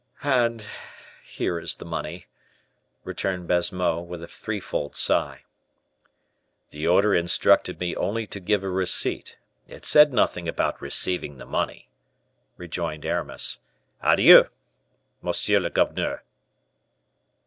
"And here is the money," returned Baisemeaux, with a threefold sigh. "The order instructed me only to give a receipt; it said nothing about receiving the money," rejoined Aramis. "Adieu, monsieur le governeur!"